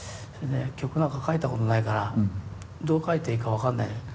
曲なんか書いたことないからどう書いていいか分かんない。